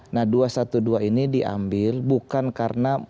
nah dua ratus dua belas ini diambil bukan karena